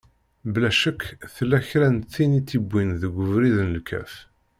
Bla ccek tella kra n tin i t-yewwin deg ubrid n lkaf.